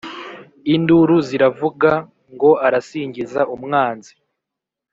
Induru ziravuga, Ngo arasingiza «umwanzi»;